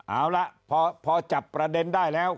เอาล่ะพอจับประเด็นได้แล้ว